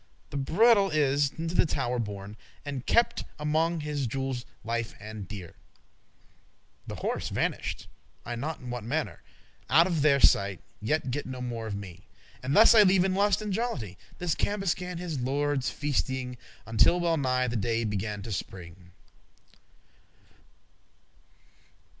The bridle is into the tower borne, And kept among his jewels lefe* and dear; *cherished The horse vanish'd, I n'ot* in what mannere, *know not Out of their sight; ye get no more of me: But thus I leave in lust and jollity This Cambuscan his lordes feastying,* *entertaining <25> Until well nigh the day began to spring.